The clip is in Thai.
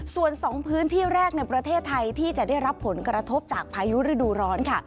ส่วน๒พื้นที่แรกในประเทศไทยที่จะได้รับผลกระทบจากพายุฤดูร้อนค่ะ